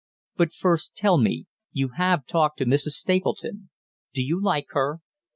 But first, tell me you have talked to Mrs. Stapleton; do you like her?"